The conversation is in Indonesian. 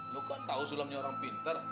lu kan tau sulamnya orang pinter